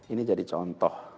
ini jadi contoh